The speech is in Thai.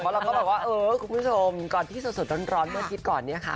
ใช่แต่เราก็บอกว่าเออคุณผู้ชมก่อนที่สดร้อนมาคิดก่อนเนี่ยค่ะ